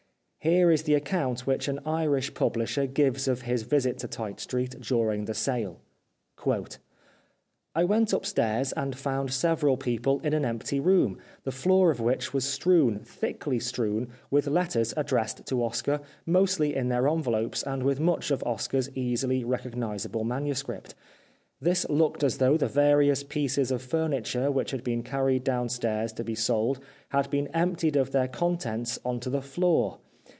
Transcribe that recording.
Here is the account which an Irish publisher gives of his visit to Tite Street during the sale :—" I went upstairs and found several people in an empty room, the floor of which was strewn, thickly strewn, wdth letters addressed to Oscar mostly in their envelopes and with much of Oscar's easily recognisable manuscript. This looked as though the various pieces of furniture which had been carried downstairs to be sold had been emptied of their contents on to the 359 The Life of Oscar Wilde floor.